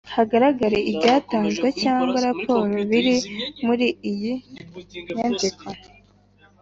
Hagaragare ibyatanzwe cyangwa raporo biri muri iyi nyandiko